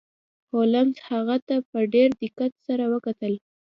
هولمز هغه ته په ډیر دقت سره وکتل.